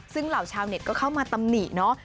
ซึ่งเหล่าชาวเน็ตก็เข้ามาตำหนิเนาะ